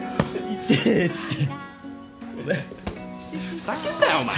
ふざけんなよお前。